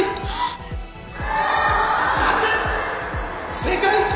正解。